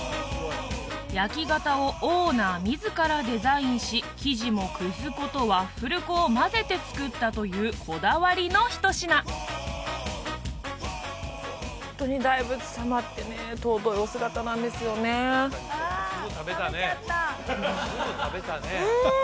焼き型をオーナー自らデザインし生地もくず粉とワッフル粉を混ぜて作ったというこだわりのひと品ホントに大仏様ってね尊いお姿なんですよねうん！